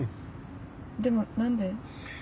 でも何で？